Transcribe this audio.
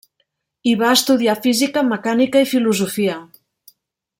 Hi va estudiar física, mecànica i filosofia.